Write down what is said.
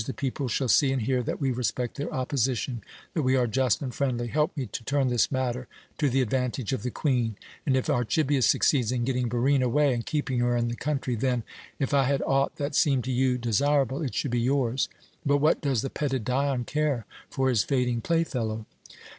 The people shall see and hear that we respect their opposition, that we are just and friendly. Help me to turn this matter to the advantage of the Queen, and if Archibius succeeds in getting Barine away and keeping her in the country, then if I had aught that seemed to you desirable it should be yours. But what does the petted Dion care for his fading playfellow?"